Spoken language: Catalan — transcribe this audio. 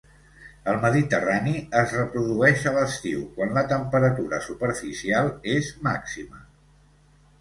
Al Mediterrani es reprodueix a l'estiu quan la temperatura superficial és màxima.